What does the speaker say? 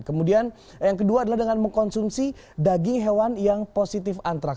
kemudian yang kedua adalah dengan mengkonsumsi daging hewan yang positif antraks